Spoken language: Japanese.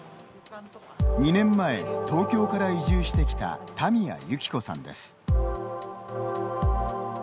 ２年前、東京から移住してきた田宮幸子さんです。